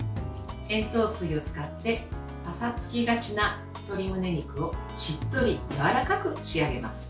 塩糖水を使ってパサつきがちな鶏むね肉をしっとりやわらかく仕上げます。